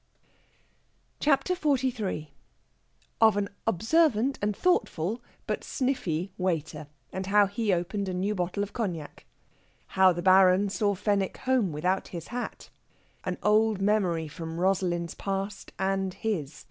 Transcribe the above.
CHAPTER XLIII OF AN OBSERVANT AND THOUGHTFUL, BUT SNIFFY, WAITER; AND HOW HE OPENED A NEW BOTTLE OF COGNAC. HOW THE BARON SAW FENWICK HOME, WITHOUT HIS HAT. AN OLD MEMORY FROM ROSALIND'S PAST AND HIS.